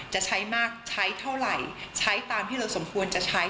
จะใช้มากใช้เท่าไหร่ใช้ตามที่เราสมควรจะใช้